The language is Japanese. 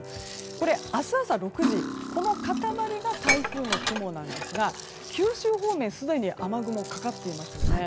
これ、明日朝６時この塊が台風の雲ですが九州方面、すでに雨雲がかかっていますよね。